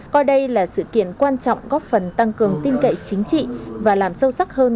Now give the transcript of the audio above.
coi đây là sự kiện quan trọng góp phần tăng cường tin cậy chính trị và làm sâu sắc hơn